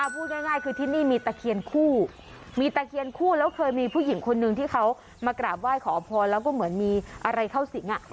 พูดง่ายคือที่นี่มีตะเคียนคู่มีตะเคียนคู่แล้วเคยมีผู้หญิงคนนึงที่เขามากราบไหว้ขอพรแล้วก็เหมือนมีอะไรเข้าสิง